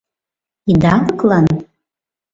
Идалыклан?